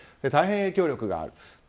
大変影響力がある。